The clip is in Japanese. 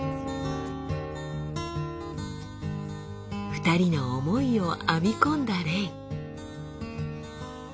２人の思いを編み込んだレイ。